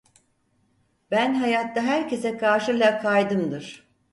Ben hayatta herkese karşı lakaydımdır…